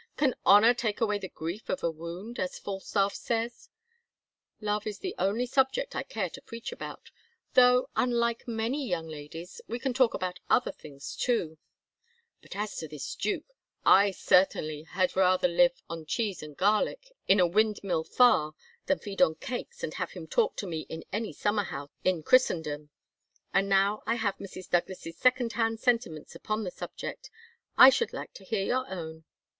'Can honour take away the grief of a wound?' as Falstaff says. Love is the only subject I care to preach about; though, unlike many young ladies, we can talk about other things too; but as to this Duke, I certainly 'had rather live on cheese and garlic, in a windmill far, than feed on cakes, and have him talk to me in any summer house in Christendom;' and now I have had Mrs. Douglas's second hand sentiments upon the subject, I should like to hear your own."